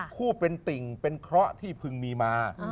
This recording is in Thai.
คู่เป็นติ่งเป็นเคราะห์ที่พึงมีมา